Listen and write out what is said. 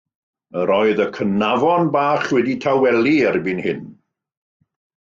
Yr oedd y cnafon bach wedi tawelu erbyn hyn.